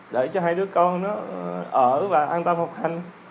để cho hai đứa con ở và an toàn học hành